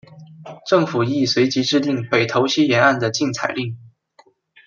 政府亦随即制定北投溪沿岸的禁采令。